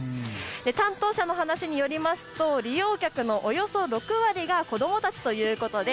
担当者の話によりますと利用客のおよそ６割が子どもたちということです。